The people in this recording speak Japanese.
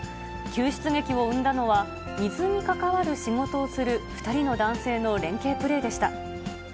救出劇を生んだのは、水に関わる仕事をする２人の男性の連係プレーでした。